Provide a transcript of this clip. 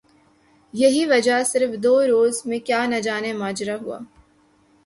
یہی وجہ صرف دو روز میں کیا نجانے ماجرہ ہوا